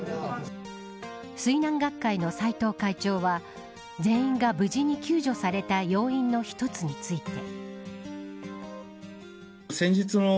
水難学会の斎藤会長は全員が無事に救助された要因の一つについて。